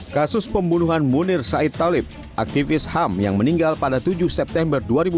kasus pembunuhan munir said talib aktivis ham yang meninggal pada tujuh september dua ribu dua puluh